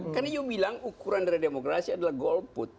kan ibu bilang ukuran dari demokrasi adalah golput